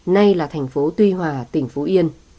nay là thành phố tuy hòa tỉnh phú yên